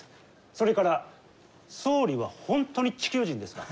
それから総理は本当に地球人ですか？